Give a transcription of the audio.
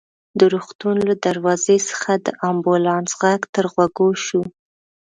د روغتون له دروازې څخه د امبولانس غږ تر غوږو شو.